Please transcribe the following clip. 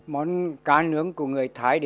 cái món cá nướng của người thái